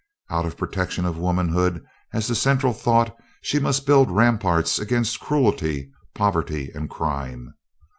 Out of protection of womanhood as the central thought, she must build ramparts against cruelty, poverty, and crime.